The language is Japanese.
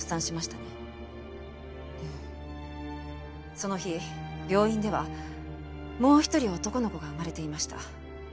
その日病院ではもう一人男の子が生まれていました。